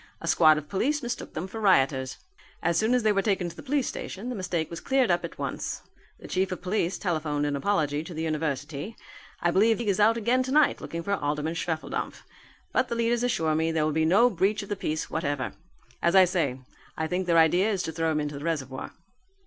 A squad of police mistook them for rioters. As soon as they were taken to the police station, the mistake was cleared up at once. The chief of police telephoned an apology to the university. I believe the league is out again tonight looking for Alderman Schwefeldampf. But the leaders assure me there will be no breach of the peace whatever. As I say, I think their idea is to throw him into the reservoir."